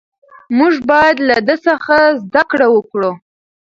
موږ باید له ده څخه زده کړه وکړو.